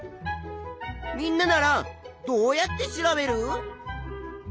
みんなならどうやって調べる？